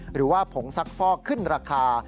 หรือว่าผงซักฟอกขึ้นราคา